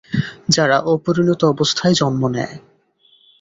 যারা অপরিণত অবস্থায় জন্ম নেয়।